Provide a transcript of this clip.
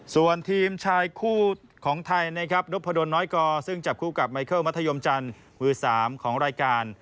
ส่วนทีมชายคู่ของไทยนะครับนพดลน้อยกอซึ่งจับคู่กับไมเคิลมัธยมจันทร์มือ๓ของรายการ